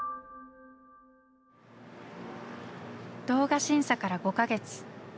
動画審査から５か月。